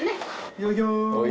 いただきます。